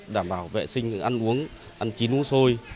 đảm bảo vệ sinh ăn uống ăn chín uống sôi